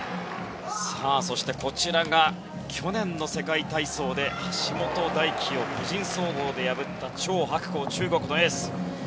そして、こちらが去年の世界体操で橋本大輝を個人総合で破ったチョウ・ハクコウ中国のエース。